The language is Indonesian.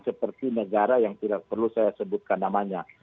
seperti negara yang tidak perlu saya sebutkan namanya